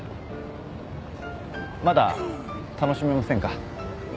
まだ楽しめませんか？